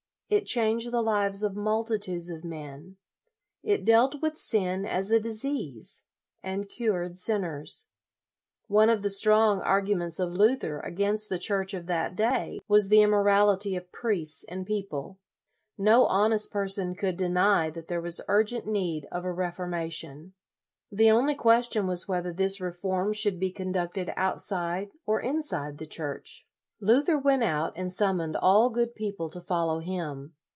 It changed the lives of multi tudes of men. It dealt with sin as a disease, and cured sinners. One of the LOYOLA 67 strong arguments of Luther against the Church of that day was the immorality of priests and people. No honest person could deny that there was urgent need of a Reformation. The only question was whether this reform should be conducted outside or inside the Church. Luther went out, and summoned all good people to follow him.